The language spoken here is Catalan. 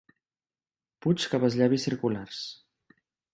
Puig cap als llavis circulars.